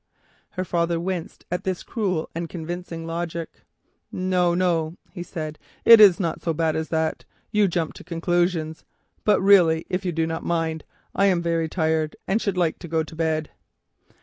Her father winced at this cruel and convincing logic. "No, no," he said, "it is not so bad as that. You jump to conclusions, but really, if you do not mind, I am very tired, and should like to go to bed."